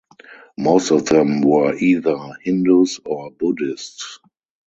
Most of them were either Hindus or Buddhists.